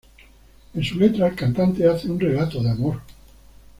En su letra el cantante hace un relato de amor.